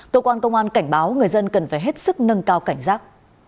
tổ quán công an cảnh báo người dân cần phải hết sức nâng cao cảnh giác